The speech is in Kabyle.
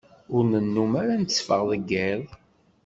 Ur nennum ara netteffeɣ deg iḍ.